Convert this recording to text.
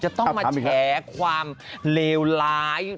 คนว่าแชร์ความเลวร้าย